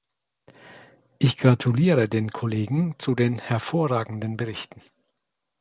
Ich gratuliere den Kollegen zu den hervorragenden Berichten.